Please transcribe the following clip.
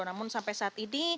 namun sampai saat ini